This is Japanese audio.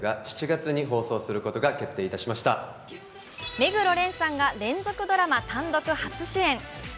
目黒蓮さんが連続ドラマ単独初主演。